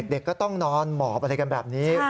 เด็กก็ต้องนอนหมอบอะไรกันแบบนี้